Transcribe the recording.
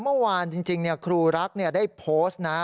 เมื่อวานจริงครูรักได้โพสต์นะ